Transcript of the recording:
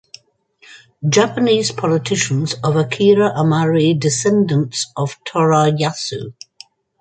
Japanese Politicians of Akira Amari descendants of Torayasu.